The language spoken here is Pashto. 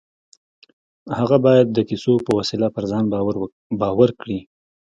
هغه بايد د کيسو په وسيله پر ځان باور کړي.